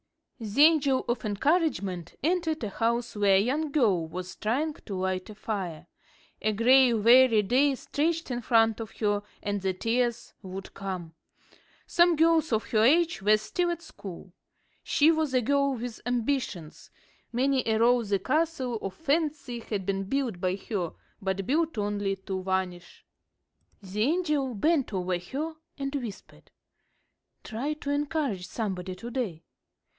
The Angel of Encouragement entered a house where a young girl was trying to light a fire. A gray, weary day stretched in front of her, and the tears would come. Some girls of her age were still at school. She was a girl with ambitions; many a rosy castle of fancy had been built by her, but built only to vanish. [Illustration: "Encourage somebody."] The angel bent over her, and whispered: "Try to encourage somebody to day."